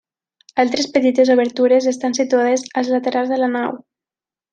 Altres petites obertures estan situades als laterals de la nau.